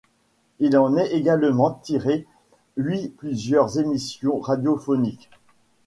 Il en est également tiré huit plusieurs émissions radiophoniques.